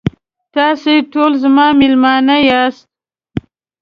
تاسې ټول زما میلمانه یاست.